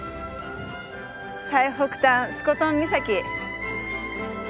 最北端スコトン岬。